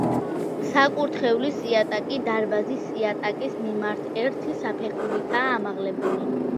საკურთხევლის იატაკი დარბაზის იატაკის მიმართ ერთი საფეხურითაა ამაღლებული.